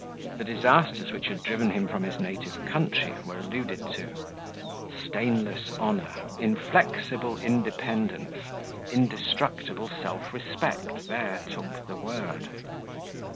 The disasters which had driven him from his native country were alluded to; stainless honour, inflexible independence, indestructible self respect there took the word.